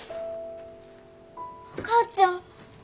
お母ちゃん。